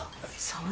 そう